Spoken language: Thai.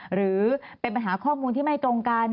หรือเป็นปัญหาข้อมูลที่ไม่ตรงกัน